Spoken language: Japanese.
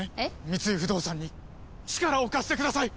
三井不動産に力を貸してください！